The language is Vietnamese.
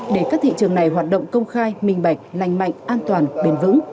để các thị trường này hoạt động công khai minh bạch lành mạnh an toàn bền vững